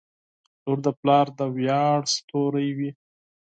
• لور د پلار د افتخار ستوری وي.